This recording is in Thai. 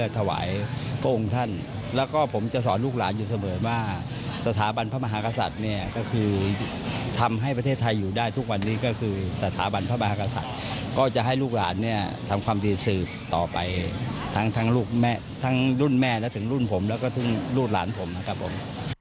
ทั้งรุ่นแม่แล้วถึงรุ่นผมแล้วก็ถึงรูดหลานผมครับผม